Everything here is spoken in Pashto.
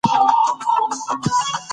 انټرنیټ د تجربو تبادله اسانه کړې ده.